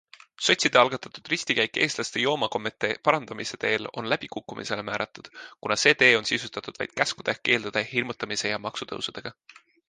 Sotside algatatud ristikäik eestlaste joomakommete parandamise teel on läbikukkumisele määratud, kuni see tee on sisustatud vaid käskude, keeldude, hirmutamise ja maksutõusudega.